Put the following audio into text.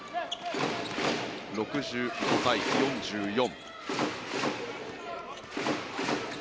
６５対４４。